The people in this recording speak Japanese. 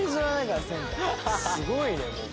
すごいねもう。